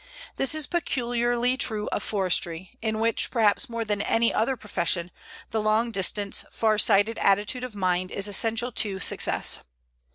This is peculiarly true of forestry, in which, perhaps more than in any other profession, the long distance, far sighted attitude of mind is essential to success.